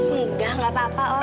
gak gak apa apa om